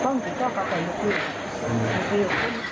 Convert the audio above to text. บ้อมบ้อมก็กลัวกลัวอยู่